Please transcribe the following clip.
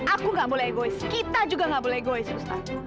aku gak boleh egois kita juga gak boleh goes ustaz